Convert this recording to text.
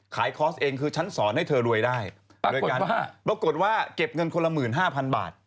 ขายคอร์สเองคือฉันสอนให้เธอรวยได้ปรากฏว่าปรากฏว่าเก็บเงินคนละหมื่นห้าพันบาท